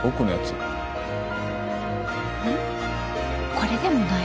これでもない。